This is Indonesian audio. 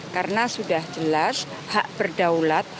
karena sudah jelas hak berdaulat